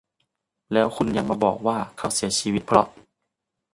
แล้วคุณยังมาบอกว่าเขาเสียชีวิตเพราะ